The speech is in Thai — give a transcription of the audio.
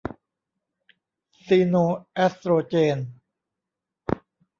ซีโนเอสโตรเจน